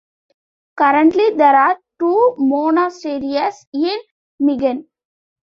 Currently, there are two monasteries in Megen.